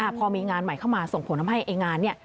พอมีงานใหม่เข้ามาส่งผลให้งานนี่